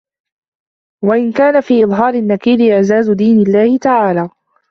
وَإِنْ كَانَ فِي إظْهَارِ النَّكِيرِ إعْزَازُ دِينِ اللَّهِ تَعَالَى